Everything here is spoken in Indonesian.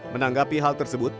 menanggapi hal tersebut